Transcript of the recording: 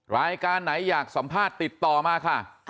รายการไหนอยากสัมภาษณ์ติดต่อมาค่ะ